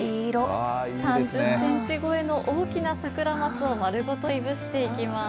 ３０センチ超えの大きなサクラマスを丸ごといぶしていきます。